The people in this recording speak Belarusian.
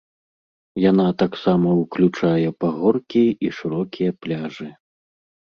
Яна таксама ўключае пагоркі і шырокія пляжы.